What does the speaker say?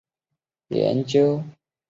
以研究深层地震闻名。